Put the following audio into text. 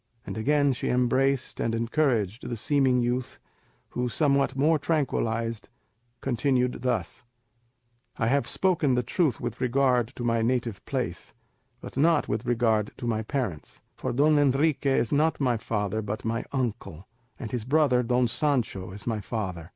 And again she embraced and encouraged the seeming youth, who, somewhat more tranquilised, continued thus:— "I have spoken the truth with regard to my native place, but not with regard to my parents; for Don Enrique is not my father but my uncle, and his brother Don Sancho is my father.